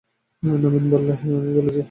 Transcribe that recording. নবীন বললে, আমিই বলেছি।